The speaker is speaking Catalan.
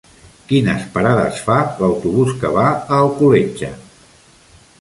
Quines parades fa l'autobús que va a Alcoletge?